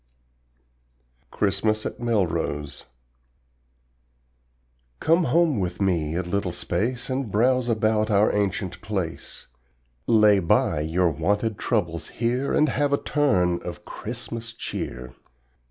CHRISTMAS AT MELROSE Come home with me a little space And browse about our ancient place, Lay by your wonted troubles here And have a turn of Christmas cheer.